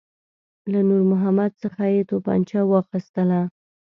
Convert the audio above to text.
له نور محمد څخه یې توپنچه واخیستله.